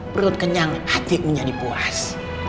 perut kenyang hati menjadi puas